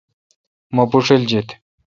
مہ بوݭل جیت۔